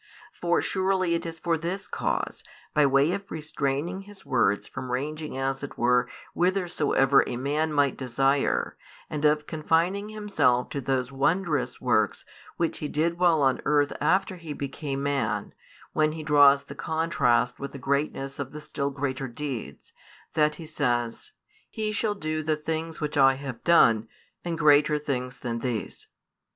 For surely it is for this cause, by way of restraining His words from ranging as it were whithersoever a man might desire, and of confining Himself to those wondrous works which He did while on earth after He became man, when He draws the contrast with the greatness of the still greater deeds, that He says: "He shall do the things which I have done, and greater things than these."